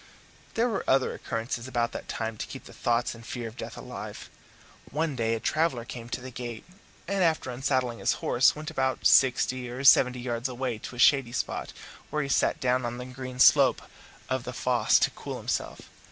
There were other occurrences about that time to keep the thoughts and fear of death alive. One day a traveller came to the gate, and, after unsaddling his horse, went about sixty or seventy yards away to a shady spot, where he sat down on the green slope of the foss to cool himself.